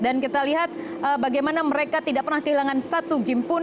kita lihat bagaimana mereka tidak pernah kehilangan satu gym pun